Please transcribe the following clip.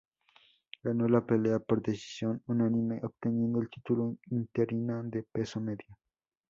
Ganó la pelea por decisión unánime obteniendo el título interino de peso medio.